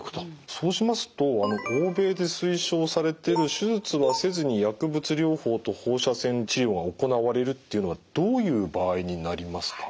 そうしますと欧米で推奨されてる手術はせずに薬物療法と放射線治療が行われるっていうのはどういう場合になりますか？